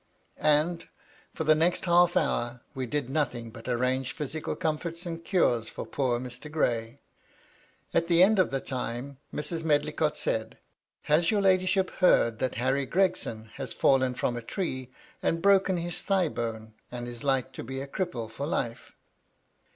And, for the next half hour, we did nothing but arrange phyrical comforts and cures for poor Mr. Gray. At the end of the time, Mrs. Medlicott said :" Has your ladyship heard that Harry Gregson has fallen from a tree, and broken his thigh bone, and is like to be a cripple for life